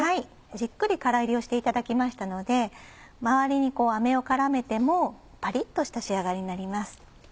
じっくり空炒りをしていただきましたので周りにあめを絡めてもパリっとした仕上がりになります。